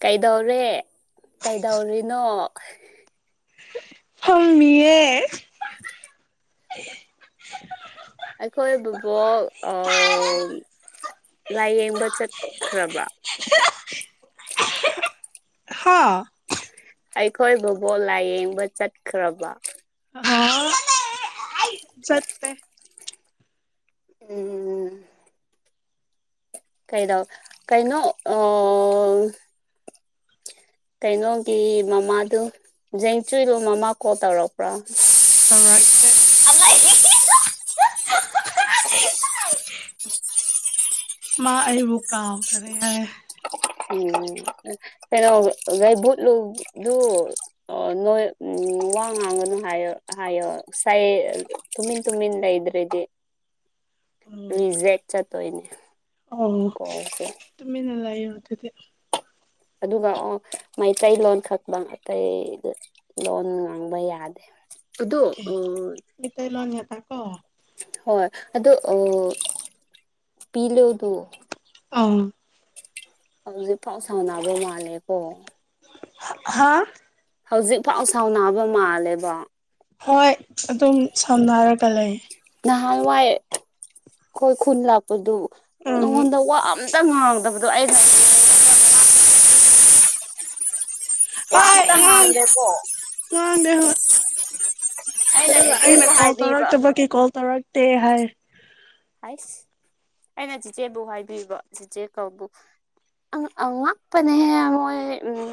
ꯀꯩꯗꯧꯔꯦ ꯀꯩꯗꯧꯔꯤꯅꯣ ꯐꯝꯃꯤꯌꯦ ꯑꯩꯈꯣꯏ ꯕꯨꯕꯣꯛ ꯂꯥꯏꯌꯦꯡꯕ ꯆꯠꯈ꯭ꯔꯕ꯭ꯔꯥ ꯍꯥ ꯑꯩꯈꯣꯏ ꯕꯨꯕꯣꯛ ꯂꯥꯏꯌꯦꯡꯕ ꯆꯠꯈ꯭ꯔꯕ ꯍꯥ ꯆꯠꯇꯦ ꯎꯝ ꯀꯩꯗꯎ ꯀꯩꯅꯣ ꯑꯥ ꯀꯩꯅꯣꯒꯤ ꯃꯃꯥꯗꯨ ꯖꯦꯡꯆꯨꯏꯂꯨ ꯃꯥꯃꯥ ꯀꯣꯜ ꯇꯧꯔꯛꯄ꯭ꯔꯥ ꯇꯧꯔꯛꯇꯦ [unintelligible] ꯃꯥ ꯑꯩꯕꯨ ꯀꯥꯥꯎꯈꯔꯦ ꯍꯥꯏꯌꯦ [unintelligible] ꯑꯣ ꯅꯣꯏ ꯎꯝ ꯋꯥ ꯉꯥꯡꯉꯅꯨ ꯍꯥꯏꯌꯣ ꯍꯥꯏꯌꯣ ꯁꯥꯏ ꯇꯨꯃꯤꯟ ꯇꯨꯃꯤꯟ ꯂꯩꯈꯔꯥꯗꯤ ꯎꯝ ꯔꯤꯖꯦꯛ ꯆꯠꯇꯣꯏꯅꯤ ꯑꯣ ꯇꯨꯃꯤꯟꯅꯥ ꯂꯩꯌꯣ ꯑꯗꯨꯗꯤ ꯑꯗꯨꯒ ꯑꯣ ꯃꯩꯇꯩꯂꯣꯟ ꯈꯛꯇꯪ ꯑꯇꯩꯗ ꯂꯣꯟ ꯉꯥꯡꯕ ꯌꯥꯗꯦ ꯑꯗꯣ ꯃꯤꯇꯩ ꯂꯣꯟꯈꯛꯇ ꯀꯣ ꯍꯣꯏ ꯑꯗꯣ ꯄꯤꯂꯗꯨ ꯑꯥꯎ ꯍꯧꯖꯤꯛ ꯐꯥꯎ ꯁꯥꯎꯅꯕ ꯃꯥꯜꯂꯦꯀꯣ ꯍꯥ ꯍꯧꯖꯤꯛ ꯐꯥꯎ ꯁꯥꯎꯅꯥꯕ ꯃꯥꯜꯂꯦꯕ ꯍꯣꯏ ꯑꯗꯨꯝ ꯁꯥꯎꯅꯔꯒ ꯂꯩ ꯅꯍꯥꯟꯋꯥꯏ ꯑꯩꯈꯣꯏ ꯈꯨꯟ ꯂꯥꯛꯄꯗꯨ ꯎꯝ ꯅꯉꯣꯟꯗ ꯋꯥ ꯑꯝꯇ ꯉꯥꯡꯗꯕꯗꯣ ꯑꯩꯅ ꯋꯥ ꯍꯣꯏ ꯑꯝꯇ ꯉꯥꯡ ꯉꯥꯡꯗ꯭ꯔꯦꯀꯣ ꯉꯥꯡꯗꯦ ꯍꯣꯏ ꯑꯩꯅ ꯑꯗꯨꯒ ꯑꯩꯅ ꯆꯤꯆꯦꯕꯨ ꯀꯣꯜ ꯍꯥꯏꯕꯤꯕ ꯇꯧꯔꯛꯇꯕꯒꯤ ꯀꯣꯜ ꯇꯧꯔꯛꯇꯦ ꯍꯥꯏ ꯍꯥꯏꯁ ꯑꯩꯅ ꯆꯤꯆꯦꯕꯨ ꯍꯥꯏꯕꯤꯕ ꯆꯤꯆꯦ ꯀꯧꯕꯨ ꯑꯉꯥꯛꯄꯅꯦꯍꯦ ꯃꯣꯏ ꯎꯝ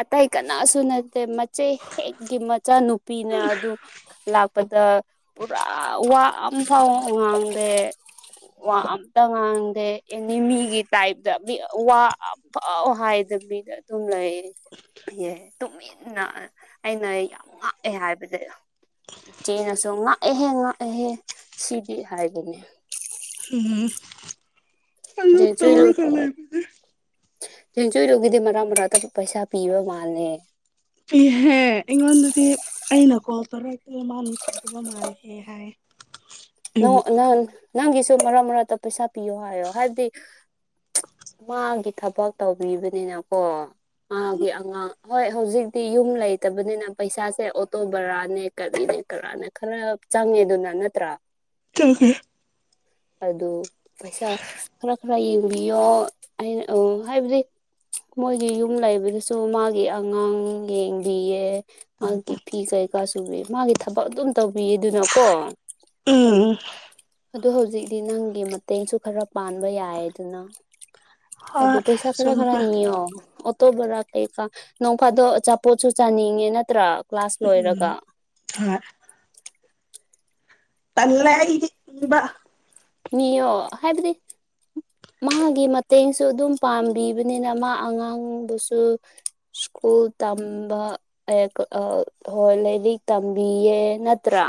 ꯑꯇꯩ ꯀꯅꯥꯁꯨ ꯅꯠꯇꯦ ꯃꯠ ꯆꯦ ꯍꯦꯛꯒꯤ ꯃꯆꯥꯅꯨꯄꯤꯅ ꯑꯗꯨ ꯂꯥꯛ ꯄꯗ ꯄꯨꯔꯥ ꯋꯥ ꯑꯃ ꯐꯥꯎ ꯉꯥꯡꯗꯦ ꯋꯥ ꯑꯝꯇ ꯉꯥꯡꯗꯦ ꯑꯦꯅꯤꯃꯤꯒꯤ ꯇꯥꯏꯞꯇꯄꯤꯛ ꯋꯥ ꯐꯥꯎ ꯍꯥꯏꯗꯕꯤꯗ ꯑꯗꯨꯝ ꯂꯩ ꯑꯦ ꯇꯨꯃꯤꯟꯅ ꯑꯩꯅ ꯌꯥꯝ ꯉꯥꯛꯑꯦ ꯍꯥꯏꯕꯗ ꯏꯆꯦꯅꯁꯨ ꯉꯥꯛꯑꯦꯍꯦ ꯉꯥꯛꯑꯦꯍꯦ ꯁꯤꯗꯤ ꯍꯥꯏꯕꯅꯦ ꯍ‌ꯦ ꯍ‌ꯦ ꯖꯦꯟꯆꯨꯏꯂꯨ ꯖꯦꯟꯆꯨꯏꯂꯨꯒꯤꯗꯤ ꯃꯔꯥ ꯃꯔꯥꯇꯒ ꯄꯩꯁꯥ ꯄꯤꯕ ꯃꯥꯜꯂꯦ ꯏꯍꯦ ꯑꯩꯉꯣꯟꯗꯗꯤ ꯑꯩꯅ ꯀꯣꯜ ꯇꯧꯔꯛꯇꯦ ꯃꯥ ꯅꯨꯡꯁꯤꯗꯕ ꯃꯥꯜꯂꯦ ꯑꯦ ꯍꯥꯏ ꯑꯩꯕꯨ ꯅꯪꯉꯣ ꯅꯪꯉꯣꯟ ꯅꯪꯒꯤꯁꯨ ꯃꯔꯥ ꯃꯔꯥꯇ ꯄꯩꯁꯥ ꯄꯤꯌꯣ ꯍꯥꯏꯌꯣ ꯍꯥꯏꯕꯗꯤ ꯃꯥꯒꯤ ꯊꯕꯛ ꯇꯧꯕꯤꯕꯅꯤꯅꯀꯣ ꯃꯥꯒꯤ ꯑꯉꯥꯡ ꯍꯣꯏ ꯍꯧꯖꯤꯛꯇꯤ ꯌꯨꯝ ꯂꯩꯇꯕꯅꯤꯅ ꯄꯩꯁꯥꯁꯦ ꯑꯣꯇꯣ ꯕꯔꯥꯅꯦ ꯀꯔꯤꯅꯦ ꯀꯔꯥꯅꯦ ꯈ꯭ꯔꯥ ꯆꯪꯉꯦꯗꯅ ꯅꯠꯇ꯭ꯔꯥ ꯆꯪꯉꯦ ꯑꯗꯨ ꯄꯩꯁꯥ ꯈꯔ ꯈꯔ ꯌꯦꯡꯕꯤꯌꯣ ꯑꯩꯅ ꯍꯥꯏꯕꯗꯤ ꯃꯣꯏꯒꯤ ꯌꯨꯝ ꯂꯩꯕꯗꯨꯁꯨ ꯃꯥꯒꯤ ꯑꯉꯥꯡ ꯌꯦꯡꯕꯤꯌꯦ ꯃꯥꯒꯤ ꯐꯤ ꯀꯩꯀꯥ ꯁꯨꯕꯤ ꯃꯥꯒꯤ ꯊꯕꯛ ꯑꯗꯨꯝ ꯇꯧꯕꯤꯌꯦ ꯑꯗꯨꯅꯀꯣ ꯎꯝ ꯑꯗꯨ ꯍꯧꯖꯤꯛꯇꯤ ꯅꯪꯒꯤ ꯃꯇꯦꯡꯁꯨ ꯈꯔ ꯄꯥꯟꯕ ꯌꯥꯏ ꯗꯅ ꯑꯗꯨ ꯍꯣꯏ ꯄꯩꯁꯥ ꯈꯔ ꯈꯔ ꯆꯨꯝꯃꯦ ꯅꯤꯌꯣ ꯑꯣꯇꯣ ꯕꯔꯥ ꯀꯩꯀꯥ ꯅꯣꯡꯐꯥꯗꯣ ꯑꯆꯥꯄꯣꯠꯁꯨ ꯆꯥꯅꯤꯡꯉꯦ ꯅꯠꯇ꯭ꯔꯥ ꯀ꯭ꯂꯥꯁ ꯂꯣꯏꯔꯒ ꯎꯝ ꯍꯣꯏ ꯇꯜꯂꯦ ꯑꯩꯗꯤ ꯕ [unintelligible] ꯅꯤꯌꯣ ꯍꯥꯏꯕꯗꯤ ꯃꯥꯒꯤ ꯃꯇꯦꯡꯁꯨ ꯑꯗꯨꯝ ꯄꯥꯡꯕꯤꯕꯅꯤꯅ ꯃꯥ ꯑꯉꯥꯡꯗꯨꯁꯨ ꯏꯁ꯭ꯀꯨꯜ ꯇꯝꯕ ꯑꯦꯀ ꯑꯥ ꯍꯣꯏ ꯂꯥꯏꯔꯤꯛ ꯇꯝꯕꯤꯌꯦ ꯅꯠꯇ꯭ꯔꯥ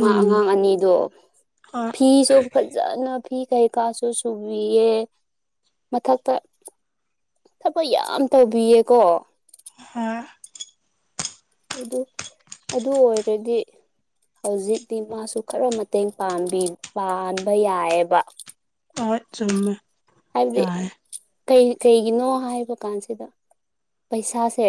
ꯃꯥ ꯑꯉꯥꯡ ꯑꯅꯤꯗꯣ ꯍꯣꯏ ꯐꯤꯁꯨ ꯐꯖꯅ ꯐꯤ ꯀꯩꯀꯥꯁꯨ ꯁꯨꯝ ꯕꯤꯑꯦ ꯃꯊꯛꯇ ꯊꯕꯛ ꯌꯥꯝ ꯇꯧꯕꯤꯌꯦꯀꯣ ꯍꯥ ꯑꯗꯨ ꯑꯗꯨ ꯑꯣꯏꯔꯗꯤ ꯍꯧꯖꯤꯛꯇꯤ ꯃꯥꯁꯨ ꯈꯔ ꯃꯇꯦꯡ ꯄꯥꯝꯕꯤ ꯄꯥꯟꯕ ꯌꯥꯏꯑꯕ ꯍꯣꯏ ꯆꯨꯝꯃꯦ ꯍꯥꯏꯕꯗꯤ ꯌꯥꯏ ꯀꯩ ꯀꯩꯒꯤꯅꯣ ꯍꯥꯏꯕ ꯀꯥꯟꯁꯤꯗ ꯄꯩꯁꯥꯁꯦ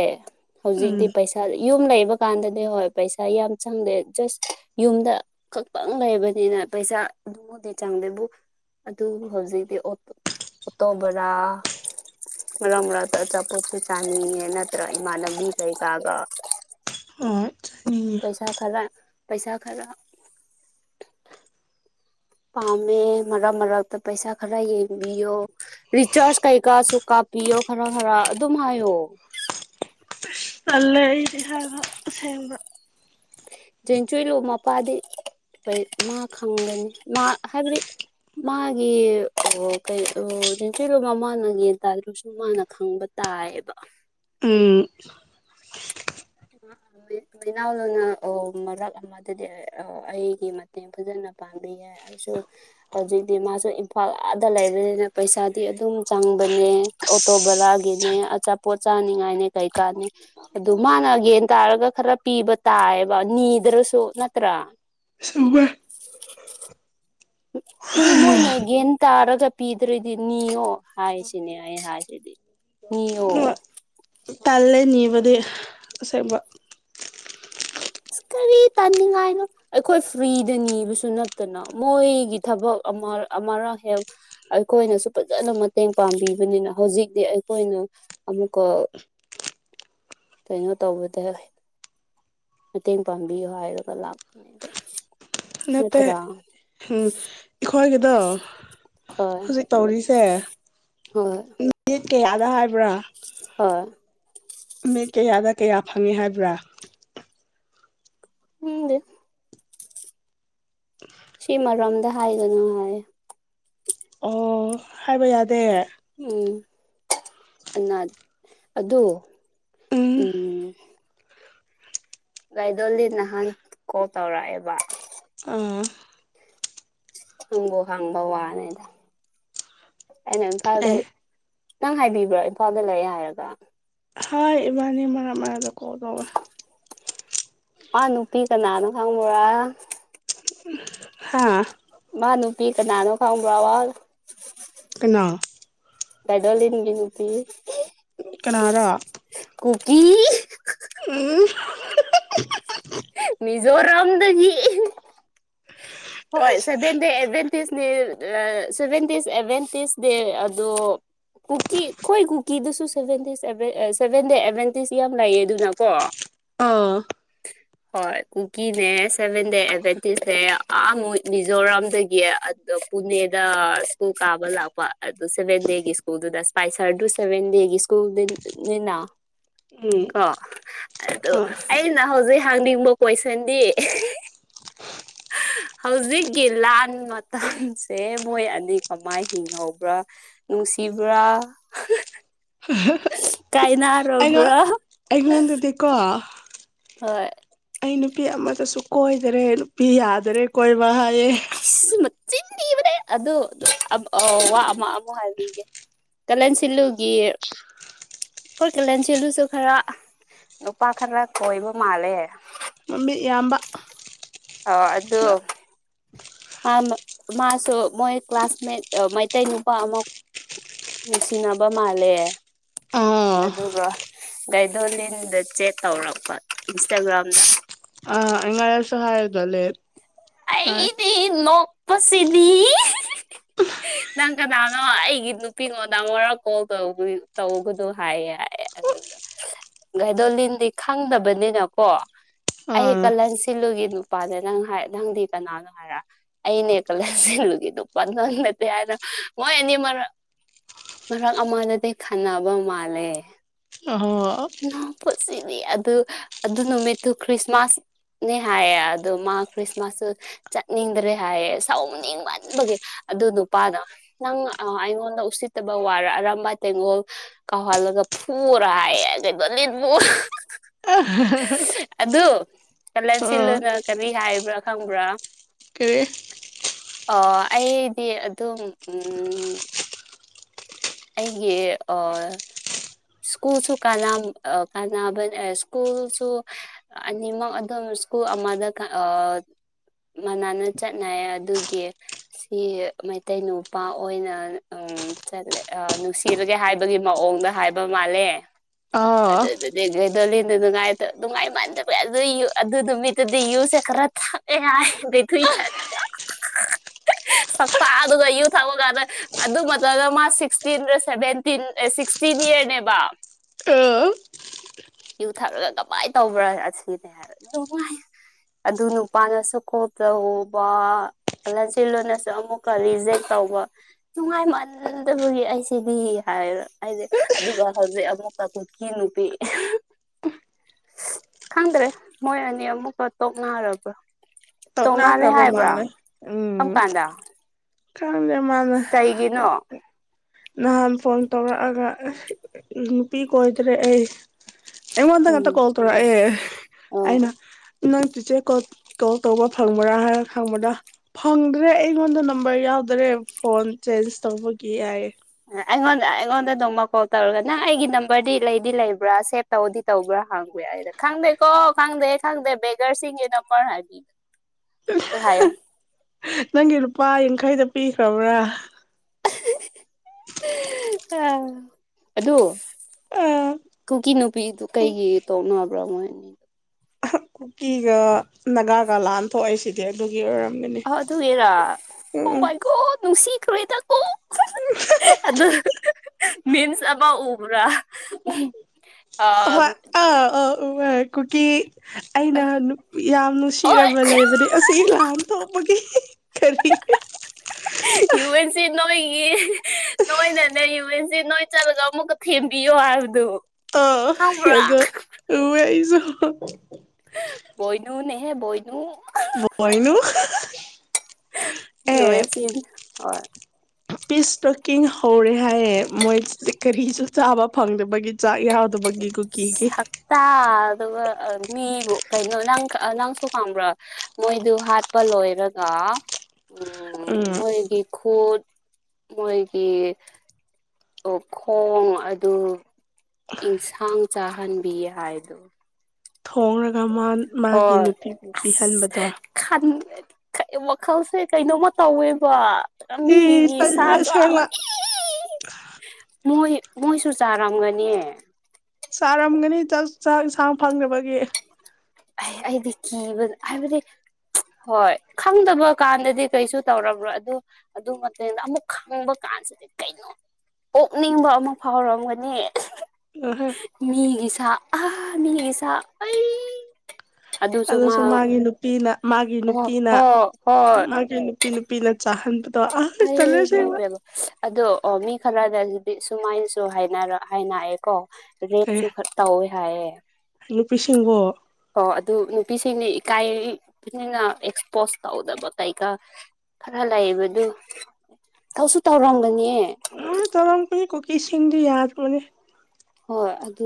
ꯎꯝ ꯍꯧꯖꯤꯛꯇꯤ ꯄꯩꯁꯥ ꯌꯨꯝ ꯂꯩꯕ ꯀꯥꯟꯗꯗꯤ ꯍꯣꯏ ꯄꯩꯁꯥ ꯌꯥꯝ ꯆꯪꯗꯦ ꯖꯁ ꯌꯨꯝꯗ ꯈꯛꯇꯪ ꯂꯩꯕꯅꯤꯅ ꯄꯩꯁꯥ ꯑꯗꯨꯕꯨꯗꯤ ꯆꯪꯗꯦꯕꯨ ꯑꯗꯨꯕꯨ ꯍꯧꯖꯤꯛꯇꯤ ꯑꯣꯇ ꯑꯣꯇꯣ ꯕꯔꯥ ꯃꯔꯛ ꯃꯔꯛꯇ ꯑꯆꯥꯄꯣꯠꯁꯨ ꯆꯥꯅꯤꯡꯉꯦ ꯅꯠꯇ꯭ꯔ ꯏꯃꯅꯕꯤ ꯀꯩꯀꯥꯒ ꯍꯣꯏ ꯆꯠꯅꯤꯡꯉꯤ ꯄꯩꯁꯥ ꯈꯔ ꯄꯩꯁꯥ ꯈꯔ ꯄꯥꯝꯃꯦ ꯃꯔꯛ ꯃꯔꯛꯇ ꯄꯩꯁꯥ ꯈꯔ ꯌꯦꯡꯕꯤꯌꯣ ꯔꯤꯆꯥꯔꯖ ꯀꯩꯀꯥꯁꯨ ꯀꯥꯞꯄꯤꯌꯣ ꯈꯔ ꯈꯔ ꯑꯗꯨꯝ ꯍꯥꯏꯌꯣ ꯇꯜꯂꯦ ꯑꯩꯗꯤ ꯍꯥꯏꯕ ꯑꯁꯦꯡꯕ ꯆꯦꯟꯆꯣꯏꯂꯨ ꯃꯄꯥꯗꯤ ꯀꯩ ꯃꯥ ꯈꯪꯒꯅꯤ ꯃꯥ ꯍꯥꯏꯕꯗꯤ ꯃꯥꯒꯤ ꯑꯣ ꯀꯩ ꯑꯣ ꯖꯦꯟꯆꯨꯏꯂꯨ ꯃꯃꯥꯅ [unintelligible] ꯃꯥꯅ ꯈꯪꯕ ꯇꯥꯏꯌꯦꯕ ꯎꯝ [unintelligible] ꯑꯣ ꯃꯔꯛ ꯃꯗꯨꯗꯤ ꯑꯩꯒꯤ ꯃꯇꯦꯡ ꯐꯖꯅ ꯄꯥꯡꯕꯤꯒꯦ ꯑꯩꯁꯨ ꯍꯧꯖꯤꯛꯇꯤ ꯃꯥꯁꯨ ꯏꯝꯐꯥꯜ ꯑꯗ ꯂꯩꯕꯅꯤꯅ ꯄꯩꯁꯥꯗꯤ ꯑꯗꯨꯝ ꯆꯪꯕꯅꯦ ꯑꯣꯇꯣ ꯑꯁ ꯕꯔꯥꯒꯤꯅꯦ ꯑꯆꯥꯄꯣꯠ ꯆꯥꯅꯤꯡꯉꯥꯏꯅꯦ ꯀꯩꯀꯥꯅꯤ ꯑꯗꯨ ꯃꯥꯅ ꯌꯦꯟ ꯇꯥꯔꯒ ꯈꯔ ꯄꯤꯕ ꯇꯥꯏꯌꯦꯕ ꯅꯤꯗ꯭ꯔꯁꯨ ꯅꯠꯇ꯭ꯔꯥ ꯆꯨꯝꯃꯦ [unintelligible] ꯑꯗꯨ ꯃꯣꯏꯅ ꯒꯦꯟ ꯇꯥꯔꯒ ꯄꯤꯗ꯭ꯔꯗꯤ ꯅꯤꯌꯣ ꯍꯥꯏꯁꯤꯅꯦ ꯑꯩ ꯍꯥꯏꯁꯤꯗꯤ ꯅꯤꯌꯣ ꯍꯣꯏ ꯇꯜꯂꯦ ꯅꯤꯕꯗꯤ ꯑꯁꯦꯡꯕ ꯀꯔꯤ ꯇꯟꯅꯤꯉꯥꯏꯅꯣ ꯑꯩꯈꯣꯏ ꯐ꯭ꯔꯤꯗ ꯅꯤꯕꯁꯨ ꯅꯠꯇꯅ ꯃꯣꯏꯒꯤ ꯊꯕꯛ ꯑꯃ ꯑꯃꯥꯔꯛ ꯍꯦꯛ ꯑꯩꯈꯣꯏꯅꯁꯨ ꯐꯖꯅ ꯃꯇꯦꯡ ꯄꯥꯡꯕꯤꯕꯅꯤꯅ ꯍꯧꯖꯤꯛꯇꯤ ꯑꯩꯈꯣꯏꯅ ꯑꯃꯨꯛꯀ ꯀꯩꯅꯣ ꯇꯧꯕꯗ ꯃꯇꯦꯡ ꯄꯥꯡꯕꯤꯌꯨ ꯍꯥꯏꯔꯒ ꯂꯥꯛꯄꯅꯦ ꯑꯗ ꯅꯠꯇꯦ ꯍꯥꯝ ꯑꯩꯈꯣꯏꯒꯤꯗꯣ ꯍꯣꯏ ꯍꯧꯖꯤꯛ ꯍꯣꯏ ꯃꯤꯅꯤꯠ ꯀꯌꯥꯗ ꯍꯥꯏꯕ꯭ꯔꯥ ꯍꯣꯏ ꯃꯤꯠ ꯀꯌꯥꯗ ꯀꯌꯥ ꯐꯪꯉꯤ ꯍꯥꯏꯕ꯭ꯔꯥ [unintelligible] ꯁꯤꯃꯔꯝꯗ ꯍꯥꯏꯒꯅꯨ ꯍꯥꯏ ꯑꯣ ꯍꯥꯏꯕ ꯌꯥꯗꯦ ꯎꯝ ꯑꯅꯥ ꯑꯗꯣ ꯎꯝ ꯒꯥꯥꯏꯗꯣꯂꯤ ꯅꯍꯥꯟ ꯀꯣꯜ ꯇꯧꯔꯛꯑꯦꯕ ꯑꯥ ꯍꯪꯕꯨ ꯍꯥꯡꯕ ꯋꯥꯅꯦꯗ ꯑꯩꯅ ꯏꯝꯐꯥꯜꯗ ꯑꯦ ꯅꯪ ꯍꯥꯏꯕꯤꯕ꯭ꯔ ꯏꯝꯐꯥꯜꯗ ꯂꯩꯌꯦ ꯍꯥꯏꯔꯒ ꯍꯣꯏ ꯏꯕꯥꯅꯤ ꯃꯔꯛ ꯃꯔꯛꯇ ꯀꯣꯜ ꯇꯧꯋꯦ ꯃꯥ ꯅꯨꯄꯤ ꯀꯅꯥꯅꯣ ꯈꯪꯕꯔ ꯍꯥꯥ ꯃꯥ ꯅꯨꯄꯤ ꯀꯅꯥꯅꯣ ꯈꯪꯕ꯭ꯔꯕ ꯀꯅꯥ ꯒꯥꯏꯗꯣꯂꯤꯟꯒꯤ ꯅꯨꯄꯤ ꯀꯅꯥꯔꯥ ꯀꯨꯀꯤ ꯎꯝ ꯃꯤꯖꯣꯔꯥꯝꯗꯒꯤ ꯍꯣꯏ ꯑꯁ ꯁꯚꯦꯟꯗ ꯑꯦꯚꯦꯟ [unintelligible] ꯁꯚꯦꯟꯇꯤꯁ ꯑꯦꯚꯦꯟꯇꯤꯁ ꯗꯦ ꯑꯗꯣ ꯀꯨꯀꯤ ꯈꯣꯏ ꯀꯨꯀꯤꯗꯨꯁꯨ ꯁꯚꯦꯟ ꯗꯤꯁ ꯑꯦꯕ꯭ꯔꯦ ꯑꯦ ꯁꯚꯦꯟꯗꯦ ꯑꯦꯃꯦꯟꯇꯤꯁ ꯌꯥꯝ ꯂꯩꯑꯦ ꯑꯗꯨꯅꯀꯣ ꯑꯥ ꯍꯣꯏ ꯀꯨꯀꯤꯅꯦ ꯁꯚꯦꯟꯗꯦ ꯑꯦꯚꯦꯟꯇꯤꯁꯦ ꯑꯥ ꯃꯣꯏ ꯃꯤꯖꯣꯔꯥꯝꯗꯒꯤ ꯑꯗ ꯗꯣ ꯄꯨꯅꯦꯗ ꯁ꯭ꯀꯨꯜ ꯀꯥꯕ ꯂꯥꯛꯄ ꯑꯗꯨ ꯁꯚꯦꯟ ꯗꯦꯒꯤ ꯁ꯭ꯀꯨꯜꯗꯨꯗ ꯏꯁꯄꯥꯏꯁꯔꯗꯨ ꯁꯚꯦꯟ ꯗꯦꯒꯤ ꯀꯨꯜꯗꯤꯟꯅꯤꯅ ꯍꯣꯏ ꯀ ꯑꯗꯨ ꯑꯩꯅ ꯍꯧꯖꯤꯛ ꯍꯥꯡꯅꯤꯡꯕ ꯀꯣꯏꯁꯟꯗꯤ ꯍꯧꯖꯤꯛꯀꯤ ꯂꯥꯟ ꯃꯇꯝꯁꯦ ꯃꯣꯏ ꯑꯅꯤ ꯀꯃꯥꯏ ꯍꯤꯡꯍꯧꯕ꯭ꯔꯥ ꯅꯨꯡꯁꯤꯕ꯭ꯔꯥ ꯑꯩꯉꯣꯟ ꯀꯥꯏꯅꯔꯕ꯭ꯔꯥ ꯑꯩꯉꯣꯟꯗꯗꯤꯀꯣ ꯍꯣꯏ ꯑꯩ ꯅꯨꯄꯤ ꯑꯃꯇꯁꯨ ꯀꯣꯏꯗꯔꯦ ꯅꯨꯄꯤ ꯌꯥꯗꯔꯦ ꯀꯣꯏꯕ ꯍꯥꯏꯌꯦ ꯏꯁ ꯃꯆꯤꯟ ꯊꯤꯕꯅꯦ ꯑꯗꯨ ꯑꯝ ꯑ ꯋꯥ ꯑꯃ ꯑꯃꯨꯛ ꯍꯥꯏꯕꯤꯒꯦ ꯇꯂꯦꯟ ꯁꯤꯜꯂꯨꯒꯤ ꯑꯩꯈꯣꯏ ꯀꯂꯦꯟꯁꯤꯂꯨꯁꯨ ꯈꯔ ꯅꯨꯄꯥ ꯈꯔ ꯀꯣꯏꯕ ꯃꯥꯜꯂꯦ ꯃꯤꯠ ꯌꯥꯝꯕ ꯑꯥꯎ ꯑꯗꯨ ꯃꯥꯃ ꯃꯥꯁꯨ ꯃꯣꯏ ꯀ꯭ꯂꯥꯁꯃꯦꯠ ꯑ ꯃꯩꯇꯩ ꯅꯨꯄꯥ ꯑꯃ ꯅꯨꯡꯁꯤꯅꯕ ꯃꯥꯜꯂꯦ ꯑꯥ ꯑꯥ ꯑꯗꯨꯒ ꯒꯥꯏꯗꯣꯂꯤꯟꯗ ꯆꯦꯠ ꯇꯧꯔꯛꯄ ꯏꯟꯁꯇꯥꯒ꯭ꯔꯥꯝꯗ ꯑꯥ ꯑꯩ ꯉꯔꯥꯡꯁꯨ ꯍꯥꯏ [unintelligible] ꯑꯩꯗꯤ ꯅꯣꯛꯄꯁꯤꯗꯤ ꯅꯪ ꯀꯅꯥꯅꯣ ꯑꯩꯒꯤ ꯅꯨꯄꯤꯉꯣꯟꯗ ꯑꯃꯨꯔꯛ ꯀꯣꯜ ꯇꯧꯕꯅꯤ ꯇꯧꯒꯅꯣ ꯍꯥꯏꯌꯦ ꯍꯥꯏ ꯑꯗꯨ ꯒꯥꯥꯏꯗꯣꯂꯤꯟꯗꯤ ꯈꯪꯗꯕꯅꯤꯅꯀꯣ ꯑꯩ ꯑꯥ ꯀꯂꯦꯟ ꯁꯤꯜꯂꯨꯒꯤ ꯅꯨꯄꯥꯅꯦ ꯅꯪꯍꯥꯏ ꯅꯪꯗꯤ ꯀꯅꯥꯅꯣ ꯍꯥꯏꯔ ꯑꯩꯅꯦ ꯀꯂꯦꯟ ꯁꯤꯜꯂꯨꯒꯤ ꯅꯨꯄꯥ ꯅꯪ ꯅꯠꯇꯦ ꯍꯥꯏꯅ ꯃꯣꯏ ꯑꯅꯤ ꯃꯔꯛ ꯃꯔꯛ ꯑꯃꯅꯗꯤ ꯈꯟꯅꯕ ꯃꯥꯜꯂꯦ ꯑꯣꯍꯣ ꯅꯣꯛꯄꯁꯤꯗꯤ ꯑꯗꯨ ꯑꯗꯨ ꯅꯨꯃꯤꯠꯇꯨ ꯈ꯭ꯔꯤꯁꯃꯥꯁ ꯅꯦ ꯍꯥꯏꯌꯦ ꯑꯗ ꯗꯣ ꯃꯥ ꯈ꯭ꯔꯤꯁꯃꯥꯁꯁꯨ ꯆꯠꯅꯤꯡꯗ꯭ꯔꯦ ꯍꯥꯏꯌꯦ ꯁꯥꯎꯅꯤꯡꯃꯟꯕꯒꯤ ꯑꯗꯨ ꯅꯨꯄꯥꯅ ꯅꯪ ꯑꯥ ꯑꯩꯉꯣꯟꯗ ꯎꯁꯤꯠꯇꯕ ꯋꯥꯔꯥ ꯑꯔꯥꯝꯕꯥꯏ ꯇꯦꯡꯒꯣꯜ ꯀꯥꯎꯍꯜꯂꯒ ꯐꯨꯔꯥ ꯍꯥꯏꯌꯦ ꯒꯥꯏꯗꯣꯂꯤꯟꯕꯨ [unintelligible] ꯑꯗꯨ ꯀꯂꯦꯟ ꯑꯥ ꯁꯤꯜꯂꯨꯅ ꯀꯔꯤ ꯍꯥꯏꯕ꯭ꯔꯥ ꯈꯪꯕ꯭ꯔꯥ ꯀꯔꯤ ꯑꯣ ꯑꯩꯗꯤ ꯑꯗꯨꯝ ꯎꯝ ꯑꯩꯒꯤ ꯑꯣ ꯁ꯭ꯀꯨꯜꯁꯨ ꯀꯥꯅꯥꯝ ꯑ ꯀꯥꯟꯅꯕ ꯑ ꯁ꯭ꯀꯨꯜꯁꯨ ꯑꯅꯤꯃꯛ ꯑꯗꯨꯝ ꯁ꯭ꯀꯨꯜ ꯑꯃꯗ ꯀꯥ ꯑꯣ ꯃꯥꯟꯅꯅ ꯆꯠꯅꯩ ꯑꯗꯨꯒꯤ ꯁꯤ ꯃꯩꯇꯩ ꯅꯨꯄꯥ ꯑꯣꯏꯅ ꯎꯝ ꯆꯠꯂꯦ ꯑ ꯅꯨꯡꯁꯤꯔꯒꯦ ꯍꯥꯏꯕꯒꯤ ꯃꯑꯣꯡꯗ ꯍꯥꯏꯕ ꯃꯥꯜꯂꯦ ꯑꯥ ꯑꯗꯨ ꯗꯦ ꯒꯥꯏꯗꯣꯂꯤꯟꯗꯨ ꯅꯨꯡꯉꯥꯏꯇ ꯅꯨꯡꯉꯥꯏꯃꯟꯗꯕꯩ ꯑꯗꯨ ꯌꯨ ꯑꯗꯨ ꯅꯨꯃꯤꯠꯇꯨꯗꯤ ꯌꯨꯁꯦ ꯈꯔ ꯊꯛ ꯑꯦ ꯍꯥꯏ [unintelligible] ꯁꯛꯇꯥ ꯗꯨꯒ ꯌꯨ ꯊꯛꯄ ꯀꯥꯟꯗ ꯑꯗꯨ ꯃꯇꯝꯗ ꯃꯥ ꯁꯤꯛꯁ ꯇꯤꯔ ꯁꯕꯦꯠꯇꯤ ꯑꯦ ꯁꯤꯁꯇꯤꯠ ꯏꯌ꯭ꯔꯅꯦꯕ ꯑꯥ ꯌꯨ ꯊꯛꯂꯒ ꯀꯃꯥꯏ ꯇꯧꯕ꯭ꯔꯥ ꯑꯁꯤꯅꯦ ꯍꯥꯏ ꯅꯨꯡꯉꯥꯏ ꯑꯗꯨ ꯅꯨꯄꯥꯅꯁꯨ ꯀꯣꯜ ꯇꯧꯕ ꯂꯆꯣꯅꯁꯨ ꯑꯃꯨꯛꯀ ꯔꯤꯖꯦꯛ ꯇꯧꯕ ꯅꯨꯡꯉꯥꯏ ꯃꯥꯟꯅꯗꯕꯒꯤ ꯑꯩ ꯁꯤꯗꯤ ꯍꯥꯏꯔ ꯑꯩꯗꯤ ꯑꯗꯨꯒ ꯍꯧꯖꯤꯛ ꯑꯃꯨꯛꯀ ꯀꯨꯀꯤ ꯅꯨꯄꯤ ꯈꯪꯗ꯭ꯔꯦ ꯃꯣꯏ ꯑꯅꯤ ꯑꯃꯨꯛꯀ ꯇꯣꯛꯅꯔꯕ꯭ꯔꯥ ꯇꯣꯉꯥꯜꯂꯦ ꯇꯛꯅꯈ꯭ꯔꯕ ꯍꯥꯏꯕ꯭ꯔꯥ ꯃꯥꯜꯂꯦ ꯎꯝ ꯀꯔꯝ ꯀꯥꯟꯗ ꯈꯪꯗꯦ ꯃꯥꯜꯂꯦ ꯒꯤꯅꯣ ꯅꯍꯥꯟ ꯐꯣꯟ ꯇꯧꯔꯛꯑꯒ ꯅꯨꯄꯤ ꯀꯣꯏꯗ꯭ꯔꯦ ꯑꯩ ꯑꯩꯉꯣꯟꯗ ꯉꯥꯛꯇ ꯎꯝ ꯀꯣꯜ ꯇꯧꯔꯛꯑꯦ ꯑꯣ ꯑꯩꯅ ꯅꯪ ꯆꯤꯆꯦ ꯀꯣꯜ ꯇꯧꯕ ꯐꯪꯕ꯭ꯔꯥ ꯍꯥꯏꯔ ꯍꯪꯕꯗ ꯐꯪꯗ꯭ꯔꯦ ꯑꯩꯉꯣꯟꯗ ꯅꯝꯕꯔ ꯌꯥꯎꯗ꯭ꯔꯦ ꯐꯣꯟ ꯆꯦꯟꯖ ꯇꯧꯕꯒꯤ ꯍꯥꯏꯌꯦ ꯑꯩꯉꯣꯟꯗ ꯑꯩꯉꯣꯟꯗ ꯅꯣꯡꯃ ꯀꯣꯜ ꯇꯧꯔꯒ ꯅꯪ ꯑꯩꯒꯤ ꯅꯝꯕꯔꯗꯤ ꯂꯩꯗꯤ ꯂꯩꯕ꯭ꯔꯥ ꯁꯦꯞ ꯇꯧꯗꯤ ꯇꯧꯕ꯭ꯔꯥ ꯍꯥꯡꯕ ꯑꯩꯗ ꯈꯪꯗꯦꯀꯣ ꯈꯪꯗꯦ ꯈꯪꯗꯦ ꯕꯦꯒꯔꯁꯤꯡꯒꯤ ꯅꯝꯕꯔ ꯍꯥꯏꯕꯤꯕꯅꯦ ꯗꯨ ꯍꯥꯏꯌꫭ ꯅꯪꯒꯤ ꯂꯨꯄꯥ ꯌꯥꯡꯈꯩꯗꫭ ꯄꯤꯈ꯭ꯔꯕ꯭ꯔꯥ ꯑꯗꯨ ꯀꯨꯀꯤ ꯅꯨꯄꯤꯗꯨ ꯀꯩꯒꯤ ꯇꯣꯛꯅꯕ꯭ꯔ ꯃꯣꯏ ꯑꯅꯤ ꯀꯨꯀꯤꯒ ꯅꯥꯒꯥꯒ ꯂꯥꯟ ꯊꯣꯛꯏ ꯁꯤ ꯗꯧꯒꯤ ꯑꯗꯨꯒꯤ ꯑꫭꯏꯔꯝꯒꯅꯤ ꯑꯥ ꯑꯗꯨꯒꯤꯔ ꯑꫭ ꯃꯥꯏ ꯒꫭꯠ ꯅꯨꯡꯁꯤꯈ꯭ꯔꯦꯗ ꯑꯣ ꯑꯗꯨ ꯃꯤꯝꯁ ꯑꯃ ꯎꯕ꯭ꯔꯥ ꯑ ꯑꯥ ꯍꫭꯏ ꯑꯥ ꯑꯥꯎ ꯎ ꯑꯥ ꯀꯨꯀꯤ ꯑꯩꯅ ꯅꯨꯄꯤ ꯌꯥꯝ ꯍꯣꯏ ꯅꯨꯡꯁꯤꯔꯕ ꯂꯩꯕꯗꯤ ꯑꯁ ꯏꯃꯥ ꯑꫭꯟꯊꯣꯛꯄꯒꯤ ꯀꯔꯤ ꯌꯨ ꯑꯦꯟ ꯁꯤ ꯅꯣꯏꯒꯤ ꯅꯣꯏꯅꯅꯦ ꯌꯨ ꯑꯦꯟ ꯁꯤ ꯅꯣꯏ ꯆꯠꯂꯒ ꯑꯃꯨꯛꯀ ꯊꯦꯝꯕꯤꯌꯣ ꯍꯥꯏꯕꯗꯨ ꯑꯥ ꯈꯪꯕ꯭ꯔꯥ ꯑꯗꯨ ꯎꯨꯏꯌꯦ ꯑꯩꯖꯨ ꯕꯣꯏꯅꯨꯅꯦꯍꯦ ꯕꯣꯏꯅꯨ ꯕꯣꯏꯅꯨ ꯌꯨ ꯑꯦꯟ ꯁꯤ ꯍꯣꯢ ꯄꯤꯁꯇꯔꯦꯀꯤꯡ ꯍꯧꯔꯦ ꯍꯥꯏꯌꯦ ꯃꯣꯏ ꯀ‍꯭ꯔꯤꯁꯨ ꯆꯥꯕ ꯐꯪꯗꯕꯒꯤ ꯆꯥꯛ ꯌꯥꯎꯗꯕꯒꯤ ꯀꯨꯀꯤ ꯒꯤ ꯇꯥ ꯑꯗꯨꯒ ꯃꯤꯕꯨ ꯀꯩꯅꯣ ꯅꯪ ꯅꯪꯁꯨ ꯈꯪꯕ꯭ꯔꯥ ꯃꯣꯏꯗꯨ ꯍꯥꯠꯄ ꯂꯣꯏꯔꯒ ꯎꯝ ꯃꯣꯏꯒꯤ ꯈꯨꯠ ꯃꯣꯏꯒꯤ ꯑꯣ ꯈꯣꯡ ꯑꯗꯨ ꯑꯦꯟꯁꯥꯡ ꯆꯥꯍꯟꯕꯤ ꯍꯥꯏꯗꯣ ꯍꯣꯡꯂꯒ ꯃꯥꯟ ꯃꯥꯒꯤ ꯅꯨꯄꯤꯕꯨ ꯄꯤꯍꯟꯕꯗꯣ ꯈꯟꯗꯦ ꯋꯥꯈꯜꯁꯦ ꯀꯩꯅꯣꯃ ꯇꯧꯋꯦꯕ ꯑꯦ ꯃꯤꯒꯤ ꯁꯥ ꯇꯜꯂꯦ ꯆꯥꯕ ꯑꯁꯦꯡꯕ ꯏꯁ ꯏꯤ ꯃꯣꯏ ꯃꯣꯏꯁꯨ ꯆꯥꯔꯝꯒꯅꯤ ꯆꯥꯔꯝꯒꯅꯤ ꯆꯥ ꯆꯥꯛ ꯏꯟꯁꯥꯡ ꯐꯪꯗꯕꯒꯤ ꯑꯩ ꯑꯩꯗꯤ ꯀꯤꯕꯅ ꯍꯥꯏꯕꯗꯤ ꯍꯣꯏ ꯈꯪꯗꯕ ꯀꯥꯟꯗꯗꯤ ꯀꯩꯁꯨ ꯇꯧꯔꯝꯃꯣꯢ ꯑꯗꯨ ꯑꯗꯨꯝ ꯉꯛꯇꯅꯦꯗ ꯑꯃꯨꯛ ꯈꯪꯕ ꯀꯥꯟꯁꯤꯗꯤ ꯀꯩꯅꯣ ꯑꯣꯛꯅꯤꯡꯕ ꯑꯃꯥ ꯐꯥꯎꯔꯝꯒꯅꯤ [unintelligible] [unintelligible] ꯃꯤꯒꯤ ꯁꯥ ꯑꯍꯥ ꯃꯤꯒꯤ ꯁꯥ ꯑꯩ ꯑꯗꯨꯁꯨ ꯃꯥꯒꯤ ꯅꯨꯄꯤꯅ ꯃꯥꯒꯤ ꯍꯣꯏ ꯅꯨꯄꯤꯅ ꯍꯣꯏ ꯍꯣꯏ ꯃꯥꯒꯤ ꯅꯨꯄꯤ ꯅꯨꯄꯤꯅ ꯆꯥꯍꯟꯕꯠ ꯇꯣ ꯑꯥ ꯇꯜꯂꯦ ꯑꯩ ꯃꯥꯏ ꯑꯁꯦꯡꯕ ꯄꯦꯝꯃ ꯑꯗꯣ ꯑꯣ ꯃꯤ ꯈ꯭ꯔꯅꯒꯤꯗꯤ ꯁꯨꯃꯥꯏꯅꯁꯨ ꯍꯥꯏꯅꯔꯥ ꯍꯥꯏꯅꯑꯦꯀꯣ ꯔꯦꯞꯁꯨꯨ ꯈ꯭ꯔ ꯇꯧꯋꯦ ꯍꯥꯏꯌꯦ ꯅꯨꯄꯤꯁꯤꯡꯕꯣ? ꯑꯣ ꯑꯗꯨ ꯅꯨꯄꯤꯁꯤꯡꯅ ꯏꯀꯥꯏꯔꯤ ꯄꯤꯅꯤꯅ ꯑꯦꯛꯁꯄꯣꯖ ꯇꯧꯗꯕ ꯀꯩꯀꯥ ꯈ꯭ꯔ ꯂꯩꯕꯗꯨ ꯊꯧꯁꯨ ꯇꯧꯔꯝꯒꯅꯤꯑꯦ ꯑꯥ ꯇꯧꯔꯝꯒꯅꯤ ꯀꯨꯀꯤꯁꯤꯡꯗꯨ ꯌꯥꯗꯕꯅꯦ ꯍꯣꯏ ꯑꯗꯨ